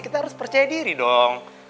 kita harus percaya diri dong